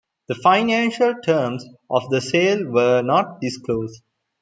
The financial terms of the sale were not disclosed.